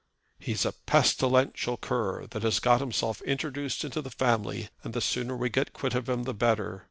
"He's a pestilential cur, that has got himself introduced into the family, and the sooner we get quit of him the better.